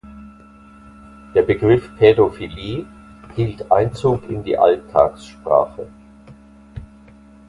Der Begriff „Pädophilie“ hielt Einzug in die Alltagssprache.